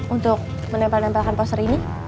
untuk menempel nempelkan poster ini